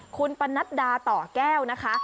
คุณปนัดดาต่อแก้วนะคะ